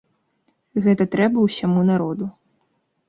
Гэта трэба ўсяму народу.